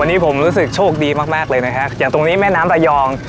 วันนี้ผมรู้สึกโชคดีมากมากเลยนะฮะอย่างตรงนี้แม่น้ำระยอง